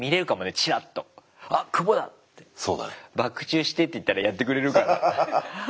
「バク宙して」って言ったらやってくれるかな？